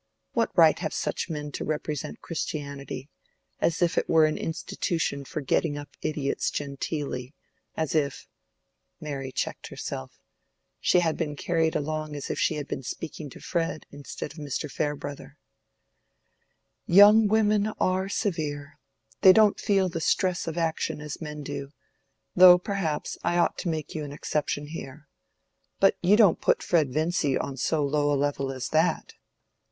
What right have such men to represent Christianity—as if it were an institution for getting up idiots genteelly—as if—" Mary checked herself. She had been carried along as if she had been speaking to Fred instead of Mr. Farebrother. "Young women are severe: they don't feel the stress of action as men do, though perhaps I ought to make you an exception there. But you don't put Fred Vincy on so low a level as that?"